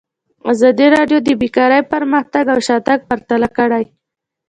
ازادي راډیو د بیکاري پرمختګ او شاتګ پرتله کړی.